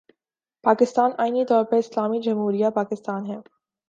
پاکستان آئینی طور پر 'اسلامی جمہوریہ پاکستان‘ ہے۔